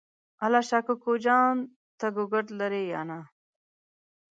الله شا کوکو جان ته ګوګرد لرې یا نه؟